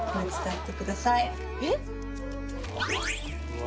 えっ！